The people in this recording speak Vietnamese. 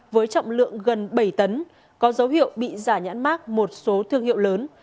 với trọng lượng gần bảy tấn có dấu hiệu bị giả nhãn mát một số thương hiệu lớn